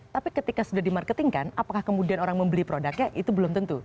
tapi ketika sudah dimarketingkan apakah kemudian orang membeli produknya itu belum tentu